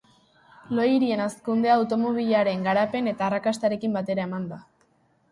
Lo-hirien hazkundea automobilaren garapen eta arrakastarekin batera eman da.